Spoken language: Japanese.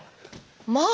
まあ！